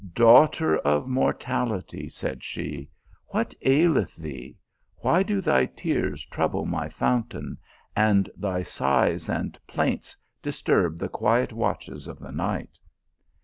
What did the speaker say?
" Daughter of Mortality," said she, " what aileth thee? Why do thy tears trouble my fountain, and thy sighs and plaints disturb the quiet watches of the night